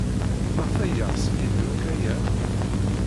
Maɣef ay yeɣs Yidir akk aya?